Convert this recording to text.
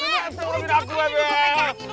udah jemput aja udah gue pegangin